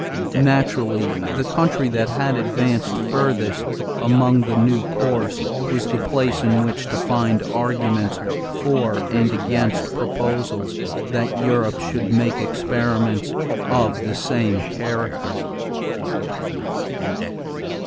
Naturally the country that had advanced furthest along the new course was the place in which to find arguments for and against proposals that Europe should make experiments of the same character.